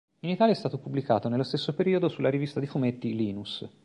In Italia è stato pubblicato nello stesso periodo sulla rivista di fumetti "Linus".